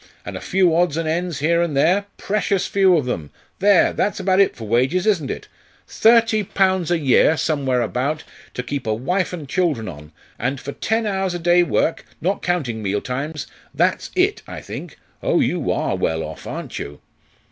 and a few odds and ends here and there precious few of them! There! that's about it for wages, isn't it? Thirty pounds a year, somewhere about, to keep a wife and children on and for ten hours a day work, not counting meal times that's it, I think. Oh, you are well off! aren't you?"